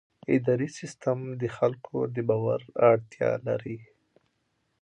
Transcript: اداري سیستم د خلکو د باور اړتیا لري.